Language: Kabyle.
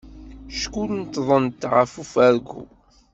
Ckunṭḍent deg ufarku.